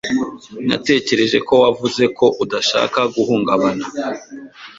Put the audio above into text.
Natekereje ko wavuze ko udashaka guhungabana